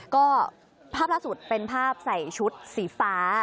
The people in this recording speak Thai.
ก็ภาพล่าสุดเป็นภาพใส่ชุดสีฟ้า